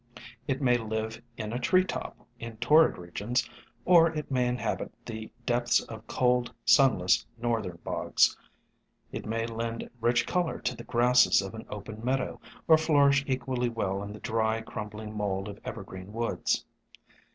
It may live in a tree top in torrid regions, or it may inhabit the depths of cold, sunless northern bogs ; it may lend rich color to the grasses of an open meadow, or flourish equally well in the dry, crumbling mold of evergreen woods.